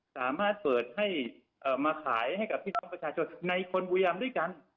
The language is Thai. สามารถเปิดให้มาขายให้กับผู้ชมประชาชนในคนพยายามด้วยกัน